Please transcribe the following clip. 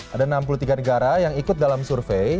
ada enam puluh tiga negara yang ikut dalam survei